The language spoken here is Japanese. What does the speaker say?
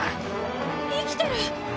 生きてる！